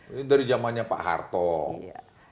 ini dari zamannya pak harto